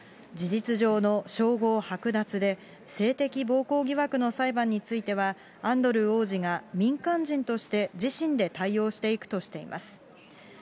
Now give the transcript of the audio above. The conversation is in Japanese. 事実上の称号剥奪で、性的暴行疑惑の裁判については、アンドルー王子が民間人として自身で対応していくとしています。